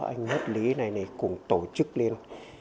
anh hết lý này này cùng tổ chức lên